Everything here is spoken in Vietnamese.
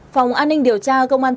phòng an ninh điều tra công an tp hcm